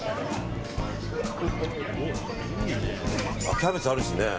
キャベツあるしね。